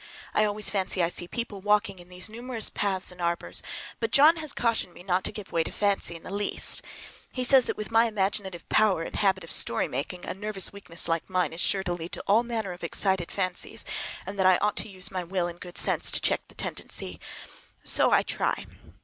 I always fancy I see people walking in these numerous paths and arbors, but John has cautioned me not to give way to fancy in the least. He says that with my imaginative power and habit of story making a nervous weakness like mine is sure to lead to all manner of excited fancies, and that I ought to use my will and good sense to check the tendency. So I try.